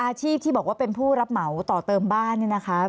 อาชีพที่บอกว่าเป็นผู้รับเหมาต่อเติมบ้านเนี่ยนะคะ